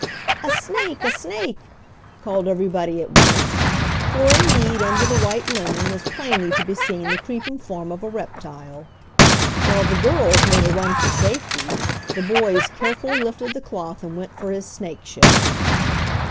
"A snake, a snake!" called everybody at once, for indeed under the white linen was plainly to be seen the creeping form of a reptile. While the girls made a run for safety the boys carefully lifted the cloth and went for his snakeship.